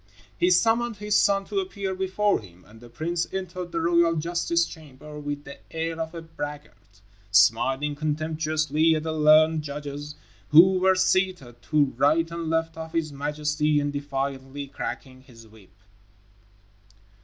He summoned his son to appear before him, and the prince entered the royal justice chamber with the air of a braggart, smiling contemptuously at the learned judges who were seated to right and left of his majesty, and defiantly cracking his whip.